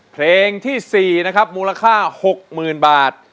เพลงที่๔นะครับมูลค่า๖๐๐๐บาท